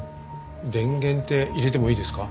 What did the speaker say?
電源って入れてもいいですか？